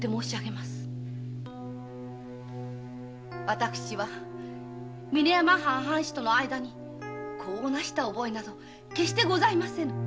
私は峰山藩藩士との間に子をなした覚えなど決してございませぬ。